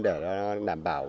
để đảm bảo